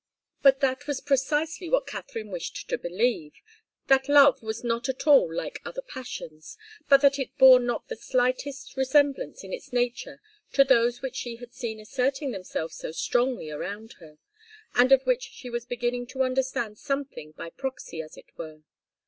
But that was precisely what Katharine wished to believe that love was not at all like other passions, that it bore not the slightest resemblance in its nature to those which she had seen asserting themselves so strongly around her, and of which she was beginning to understand something by proxy, as it were.